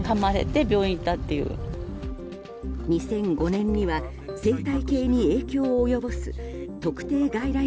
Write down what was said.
２００５年には生態系に影響を及ぼす特定外来